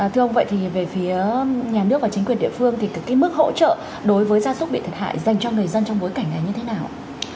thưa ông vậy thì về phía nhà nước và chính quyền địa phương thì cái mức hỗ trợ đối với gia súc bị thiệt hại dành cho người dân trong bối cảnh này như thế nào